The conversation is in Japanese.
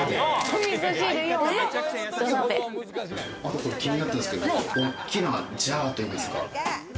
あと気になったんですけど、大きなジャーといいますか。